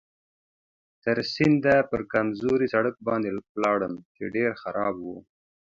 تر سینده پر کمزوري سړک باندې ولاړم چې ډېر خراب و.